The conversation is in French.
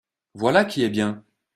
Voilà qui est bien